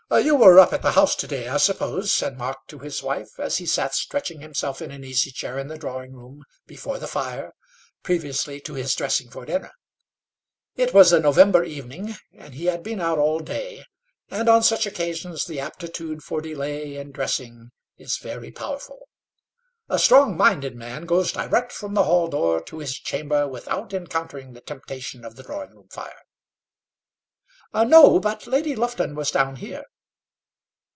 "You were up at the house to day, I suppose?" said Mark to his wife, as he sat stretching himself in an easy chair in the drawing room, before the fire, previously to his dressing for dinner. It was a November evening, and he had been out all day, and on such occasions the aptitude for delay in dressing is very powerful. A strong minded man goes direct from the hall door to his chamber without encountering the temptation of the drawing room fire. "No; but Lady Lufton was down here."